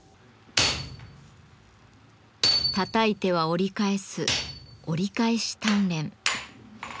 たたいては折り返す折り返し鍛錬。